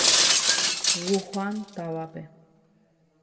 Wuhan távape.